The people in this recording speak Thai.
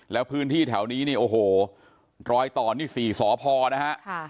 แล้วพื้นที่แถวนี้เนี่ยโอ้โหรอยตอนนี่สี่สอพอนะฮะค่ะ